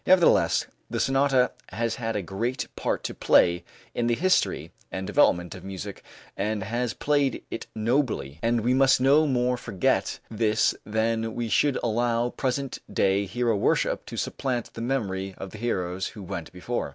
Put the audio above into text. Nevertheless, the sonata has had a great part to play in the history and development of music and has played it nobly, and we must no more forget this than we should allow present day hero worship to supplant the memory of the heroes who went before.